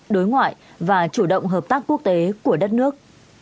đối ngoại và chủ động hợp tác quốc tế của đất nước